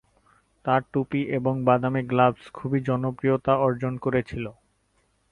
তার টুপি এবং বাদামী গ্লাভস খুবই জনপ্রিয়তা অর্জন করেছিল।